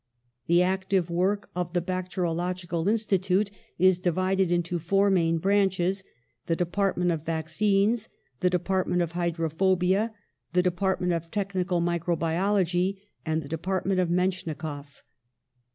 The active work of the Bacteriological Insti tute is divided into four main branches: the department of vaccines, the department of hy drophobia, the department of technical mi crobiology, and the department of Metchnikoff.